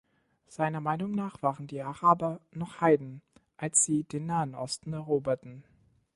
Seiner Meinung nach waren die Araber noch Heiden, als sie den Nahen Osten eroberten.